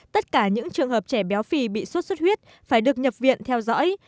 tất cả những trường hợp trẻ béo phì bị sốt xuất huyết phải được nhập viện theo dõi